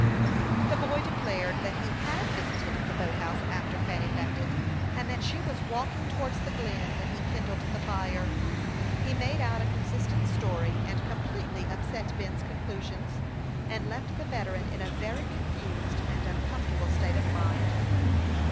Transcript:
The boy declared that he had visited the boat house after Fanny left it, and that she was walking towards the Glen when he kindled the fire. He made out a consistent story, and completely upset Ben's conclusions, and left the veteran in a very confused and uncomfortable state of mind.